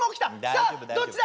さあどっちだ！